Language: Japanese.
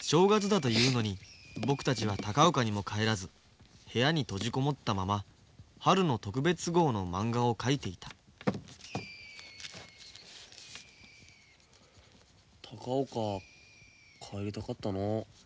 正月だというのに僕たちは高岡にも帰らず部屋に閉じこもったまま春の特別号のまんがを描いていた高岡帰りたかったのう。